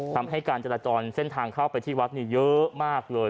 ทำให้การจราจรเส้นทางเข้าไปที่วัดเนี่ยเยอะมากเลย